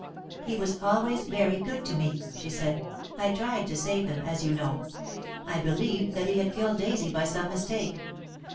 "He was always very good to me," she said. "I tried to save him, as you know. I believed that he had killed Daisy by some mistake.